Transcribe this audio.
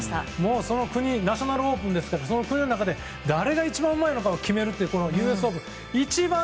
その国のナショナルオープンですからその国の中で誰が一番うまいのか決めるＵＳオープン。